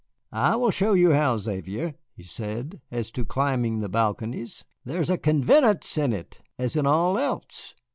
"I will show you how, Xavier," he said; "as to climbing the balconies, there is a convenance in it, as in all else.